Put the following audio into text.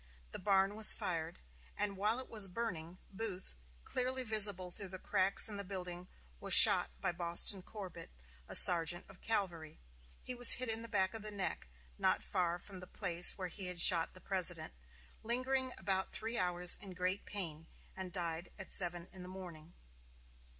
The barn was fired, and while it was burning, Booth, clearly visible through the cracks in the building, was shot by Boston Corbett, a sergeant of cavalry. He was hit in the back of the neck, not far from the place where he had shot the President, lingered about three hours in great pain, and died at seven in the morning.